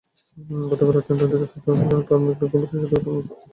গতকাল রাত তিনটার দিকে সাদ্দামসহ তাঁরা মেঘনা-গোমতী সেতু টোলপ্লাজা এলাকায় কাজে যান।